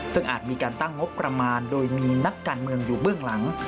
ซึ่งอาจมีการตั้งงบประมาณโดยมีนักการเมืองอยู่เบื้องหลัง